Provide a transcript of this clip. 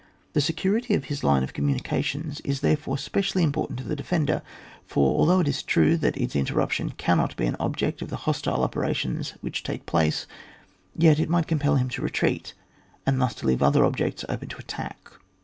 The security of his line of communications is the^refore specially important to the defender, for although it is true that its interruption cannot be an object of the hostile opera tions which take place, yet it might com pel him to retreat, and thus to leave other objects open to attack.